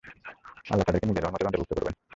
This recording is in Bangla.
আল্লাহ তাদেরকে নিজের রহমতের অন্তর্ভুক্ত করবেন।